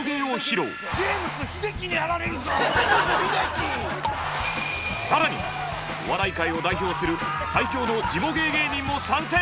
更にお笑い界を代表する最強のジモ芸芸人も参戦！